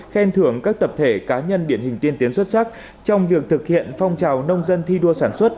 khen thưởng các tập thể cá nhân điển hình tiên tiến xuất sắc trong việc thực hiện phong trào nông dân thi đua sản xuất